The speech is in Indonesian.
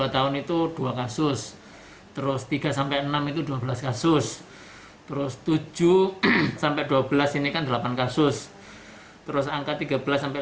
dua tahun itu dua kasus terus tiga enam itu dua belas kasus terus tujuh dua belas ini kan delapan kasus terus angka tiga belas lima belas ini satu kasus usia enam belas delapan belas tahun tiga belas kasus